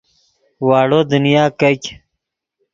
واڑو دنیا کیګ